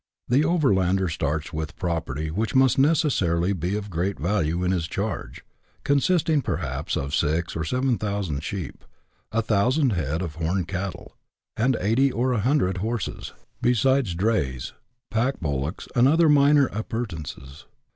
The overlander starts with property which must necessarily be of great value in his charge, consisting perhaps of six or seven thousand sheep, a thousand head of horned cattle, and eighty or a hundred horses. CHAP. XIII.] OVERL ANDERS. U3 besides drays, pack bullocks, and other minor appurtenances.